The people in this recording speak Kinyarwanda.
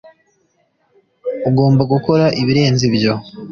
Ugomba gukora ibirenze ibyo